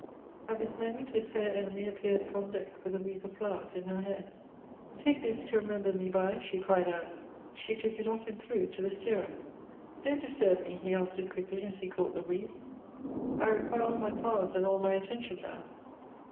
At this moment his fair enemy appeared upon deck with a wreath of flowers in her hair. ' Take this to remember me by,' she cried out. She took it off and threw it to the steerer. ' Don't disturb me,' he answered quickly, as he caught the wreath ; 'I require all my powers and all my attention now.'